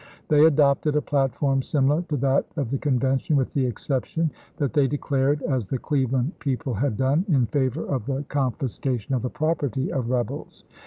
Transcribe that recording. They adopted a platform similar to that of the Convention, with the excep tion that they declared, as the Cleveland people had done, in favor of the confiscation of the property of rebels.